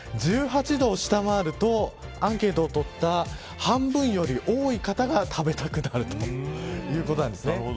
１８度を下回るとアンケートを取った半分より多い方が食べたくなるということなんですね。